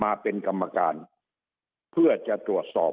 มาเป็นกรรมการเพื่อจะตรวจสอบ